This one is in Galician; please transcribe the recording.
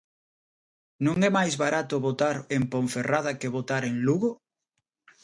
¿Non é máis barato botar en Ponferrada que botar en Lugo?